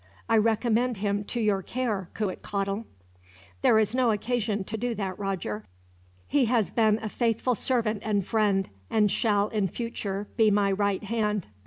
I recommend him to your care, Cuitcatl." "There is no occasion to do that, Roger. He has been a faithful servant and friend, and shall in future be my right hand."